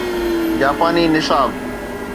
جاپاني نصاب